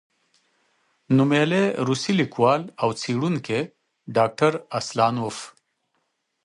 نومیالی روسی لیکوال او څېړونکی، ډاکټر اسلانوف،